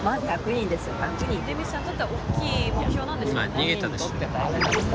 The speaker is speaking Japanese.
出光さんにとっては大きい目標なんですよね。